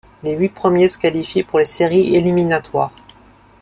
Les huit premiers se qualifient pour les séries éliminatoires.